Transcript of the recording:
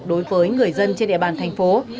đối với người dân trên địa bàn thành phố